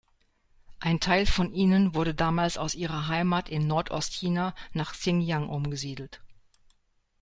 Ein Teil von ihnen wurde damals aus ihrer Heimat in Nordost-China nach Xinjiang umgesiedelt.